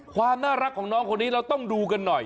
ความน่ารักของน้องคนนี้เราต้องดูกันหน่อย